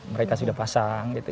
mereka sudah pasang